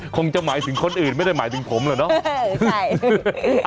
คงจะหมายถึงคนอื่นไม่ได้หมายถึงผมเหรอเนาะ